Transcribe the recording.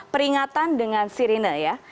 peringatan dengan sirine ya